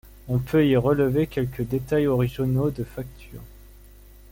On peut y relever quelques détails originaux de facture.